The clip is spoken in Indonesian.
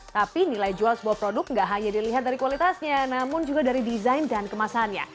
tapi nilai jual sebuah produk nggak hanya dilihat dari kualitasnya namun juga dari desain dan kemasannya